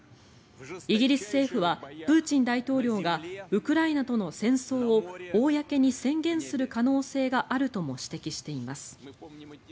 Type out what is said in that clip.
イギリス政府はプーチン大統領がウクライナとの戦争を公に宣言する可能性があるとも指摘しています。